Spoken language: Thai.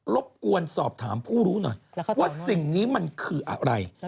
บกวนสอบถามผู้รู้หน่อยว่าสิ่งนี้มันคืออะไร